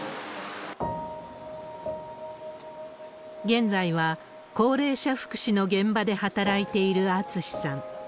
現在は、高齢者福祉の現場で働いている厚さん。